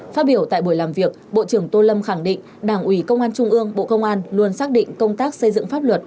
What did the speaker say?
phát biểu tại buổi làm việc bộ trưởng tô lâm khẳng định đảng ủy công an trung ương bộ công an luôn xác định công tác xây dựng pháp luật